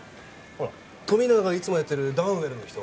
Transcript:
ほら富永がいつもやってるダウンウェルの人